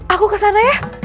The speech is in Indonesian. aku kesana ya